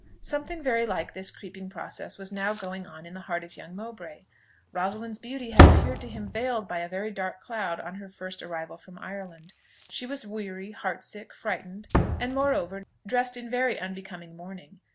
Something very like this creeping process was now going on in the heart of young Mowbray. Rosalind's beauty had appeared to him veiled by a very dark cloud on her first arrival from Ireland: she was weary, heartsick, frightened, and, moreover, dressed in very unbecoming mourning.